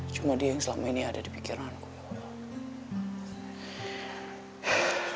cuma dia yang selama ini ada di pikiranku ya allah